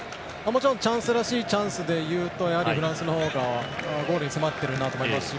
もちろんチャンスらしいチャンスでいうとやはりフランスの方がゴールに迫ってるなと思いますし